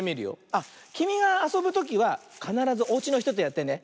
あっきみがあそぶときはかならずおうちのひととやってね。